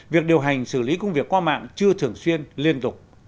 việc điều hành xử lý công việc qua mạng chưa thường xuyên liên tục